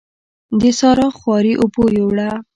د سارا خواري اوبو يوړه.